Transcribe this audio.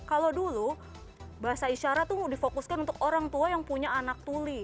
kalau dulu bahasa isyarat itu mau difokuskan untuk orang tua yang punya anak tuli